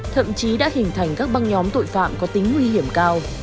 thậm chí đã hình thành các băng nhóm tội phạm có tính nguy hiểm cao